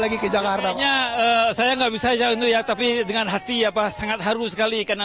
lagi ke jakarta saya nggak bisa jauh jauh ya tapi dengan hati sangat haru sekali karena